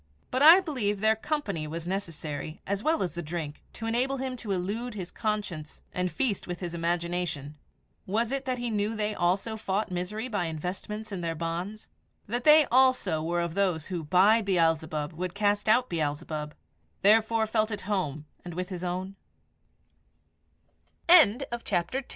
But I believe their company was necessary as well as the drink to enable him to elude his conscience and feast with his imagination. Was it that he knew they also fought misery by investments in her bonds that they also were of those who by Beelzebub would cast out Beelzebub therefore felt at hom